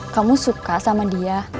kamu suka sama dia